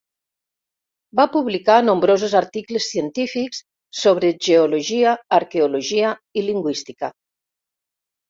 Va publicar nombrosos articles científics sobre geologia, arqueologia i lingüística.